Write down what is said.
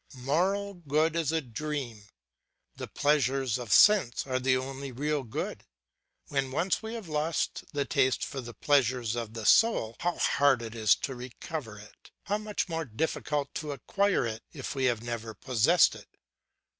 Moral good is a dream, the pleasures of sense are the only real good. When once we have lost the taste for the pleasures of the soul, how hard it is to recover it! How much more difficult to acquire it if we have never possessed it!